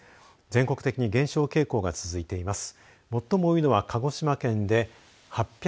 全国的に減少傾向が続いています。